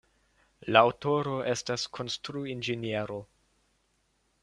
La aŭtoro estas konstruinĝeniero.